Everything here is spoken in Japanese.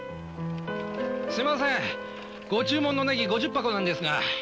すいませんご注文のネギ５０箱なんですが。